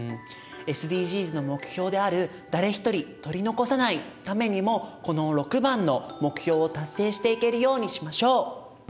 ＳＤＧｓの目標である「誰一人取り残さない」ためにもこの６番の目標を達成していけるようにしましょう！